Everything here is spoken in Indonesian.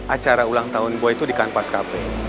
acara ulang tahun boy itu di kanvas cafe